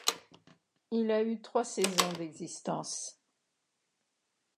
Il a eu trois saisons d’existence.